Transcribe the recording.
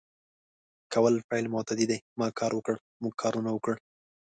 کول فعل متعدي دی ما کار وکړ ، موږ کارونه وکړ